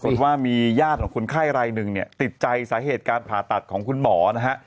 ว่ามีญาติของคนไข้รายหนึ่งเนี่ยติดใจสาเหตุการผ่าตัดของคุณหมอนะฮะ